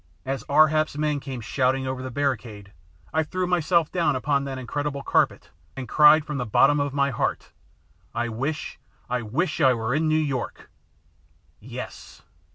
As Ar hap's men came shouting over the barricade I threw myself down upon that incredible carpet and cried from the bottom of my heart, "I wish I wish I were in New York!" Yes!